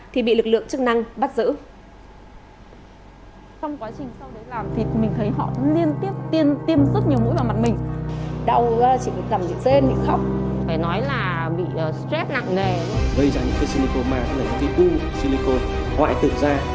thì bị lực lượng chức năng bắt giữ